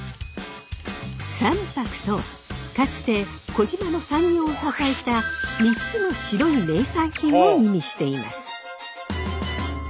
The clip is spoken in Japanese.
三白とはかつて児島の産業を支えた３つの白い名産品を意味しています。